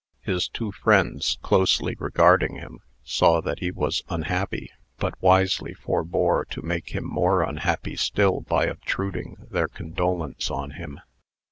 His two friends, closely regarding him, saw that he was unhappy, but wisely forbore to make him more unhappy still by obtruding their condolence on him.